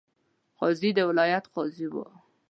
قاضي د ولایت قاضي وو.